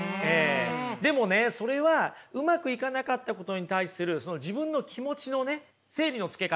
でもねそれはうまくいかなかったことに対する自分の気持ちのね整理のつけ方。